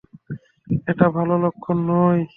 এটা ভালো লক্ষণ নয়।